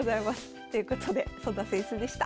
ということでそんな扇子でした。